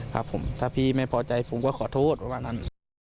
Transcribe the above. ครับผมถ้าพี่ไม่พอใจผมก็ขอโทษเพราะว่านั่น